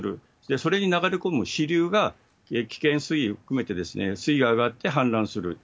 それに流れ込む支流が、危険水位を含めて水位が上がって氾濫する。